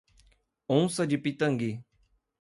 Onça de Pitangui